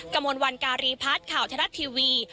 กระมวลวันการีพัฒน์ข่าวทรัฐทีวี